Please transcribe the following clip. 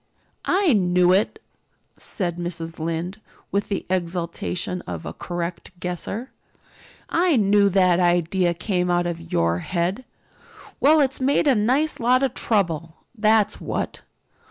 "I knew it!" said Mrs. Lynde, with the exultation of a correct guesser. "I knew that idea came out of your head. Well, it's made a nice lot of trouble, that's what.